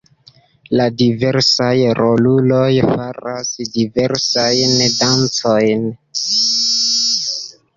La diversaj roluloj faras diversajn dancojn.